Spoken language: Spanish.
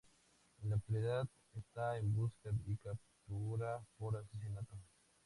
En la actualidad, está en busca y captura por asesinato.